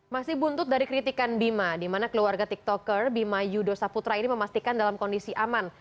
masih buntut dari kritikan bima di mana keluarga tiktoker bima yudo saputra ini memastikan dalam kondisi aman